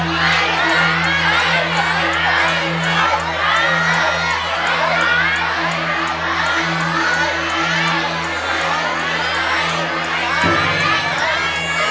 ไม่ใช้ครับ